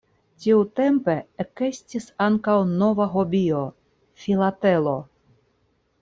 Tiutempe ekestis ankaŭ nova hobio: Filatelo.